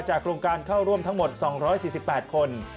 โครงการเข้าร่วมทั้งหมด๒๔๘คน